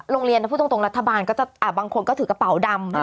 โรงเรียนรัฐบาลบางคนดำ